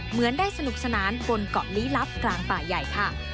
เหมือนได้สนุกสนานบนเกาะลี้ลับกลางป่าใหญ่ค่ะ